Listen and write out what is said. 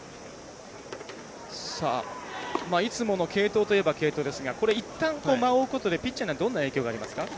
いつもの継投といえば継投ですがこれ、いったん間を置くことでピッチャーにはどんな影響がありますか？